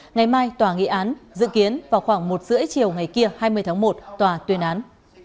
ngày mai tòa nghị án dự kiến vào khoảng một h ba mươi chiều ngày kia hai mươi tháng một tòa tuyên án